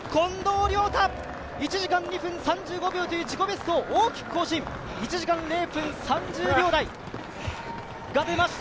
１時間２分３５秒という自己ベストを大きく更新、１時間０分３０秒台が出ました。